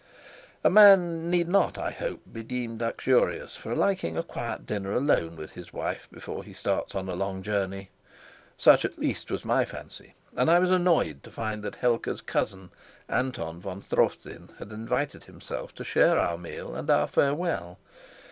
A man need not, I hope, be deemed uxorious for liking a quiet dinner alone with his wife before he starts on a long journey. Such, at least, was my fancy; and I was annoyed to find that Helga's cousin, Anton von Strofzin, had invited himself to share our meal and our farewell.